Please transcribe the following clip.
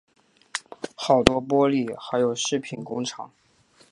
好多玻璃还有饰品工厂